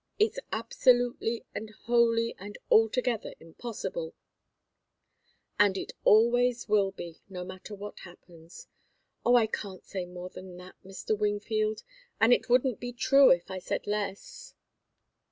It's absolutely, and wholly, and altogether impossible, and it always will be, no matter what happens. Oh, I can't say more than that, Mr. Wingfield and it wouldn't be true if I said less!"